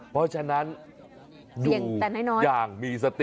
เพราะฉะนั้นดูอย่างมีสติ